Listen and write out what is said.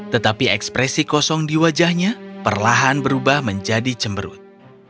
tetapi ekspresi kosong di wajahnya perlahan berubah menjadi cemberut